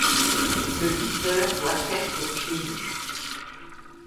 Le lutteur doit être pieds nus.